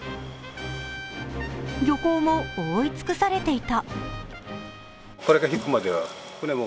漁港も覆い尽くされていた。